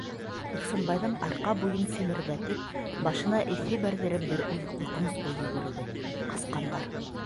Ихсанбайҙың арҡа буйын семерҙәтеп, башына эҫе бәрҙереп бер уй, ҡурҡыныс уй йүгерҙе: «Ҡасҡандар!»